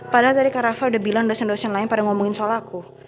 padahal tadi karnaval udah bilang dosen dosen lain pada ngomongin soal aku